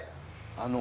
あの。